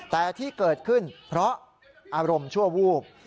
แต่ที่เกิดขึ้นเพราะอารมณ์ชั่ววูบ